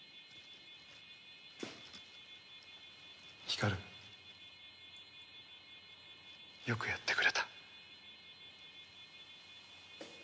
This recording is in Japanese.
光よくやってくれた。